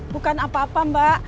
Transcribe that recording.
bukan apa apa mbak